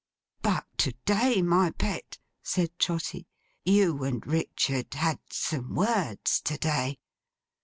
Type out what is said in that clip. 'But, to day, my pet,' said Trotty. 'You and Richard had some words to day.